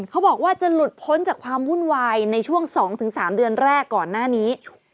เขาบอกว่าจะหลุดพ้นจากความวุ่นวายในช่วง๒๓เดือนแรกก่อนหน้านี้